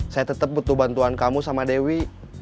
saya tetap butuh bantuan kamu sama dewi